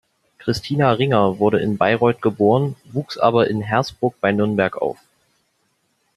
Christina Ringer wurde in Bayreuth geboren, wuchs aber in Hersbruck bei Nürnberg auf.